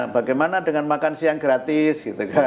bagaimana dengan makan siang gratis